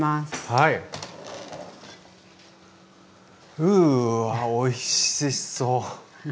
うわおいしそう！